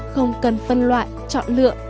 không cần phân loại chọn lựa